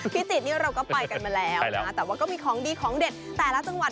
พิจิตรนี่เราก็ไปกันมาแล้วนะแต่ว่าก็มีของดีของเด็ดแต่ละจังหวัด